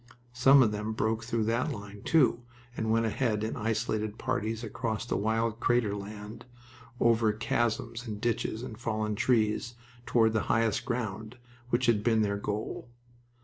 Some of them broke through that line, too, and went ahead in isolated parties across the wild crater land, over chasms and ditches and fallen trees, toward the highest ground, which had been their goal.